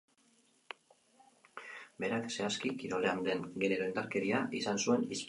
Berak, zehazki, kirolean den genero indarkeria izan zuen hizpide.